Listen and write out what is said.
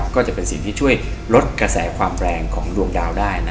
ก็จะเป็นสิ่งที่ช่วยลดกระแสความแรงของดวงดาวได้